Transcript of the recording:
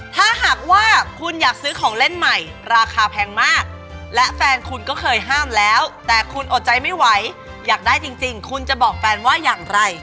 ถ้าหากว่าคุณอยากซื้อของเล่นใหม่ราคาแพงมากและแฟนคุณก็เคยห้ามแล้วแต่คุณอดใจไม่ไหวอยากได้จริงคุณจะบอกแฟนว่าอย่างไร